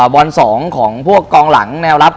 บอล๒ของพวกกองหลังแนวรับ